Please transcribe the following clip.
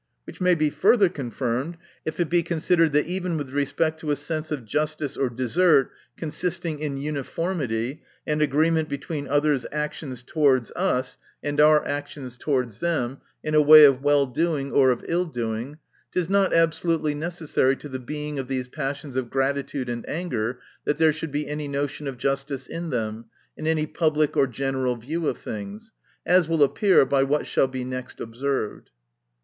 Which may be further confirmed, if it be considered that even with respect to a sense of justice or desert, consisting in uniformity [and agreement between others' actions towards us, and our actions towards them, in a way of well doing, or of ill doing] it is not absolutely necessary to the being of these passions of gratitude and anger, that there should be any notion of justice in them, in any public or general view of things ;— as will appear by what shall be next observed.